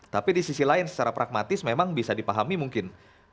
tapi di sisi lain secara pragmatis memang bisa dipahami mungkin